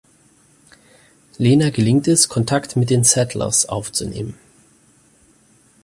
Lena gelingt es, Kontakt mit den Sattlers aufzunehmen.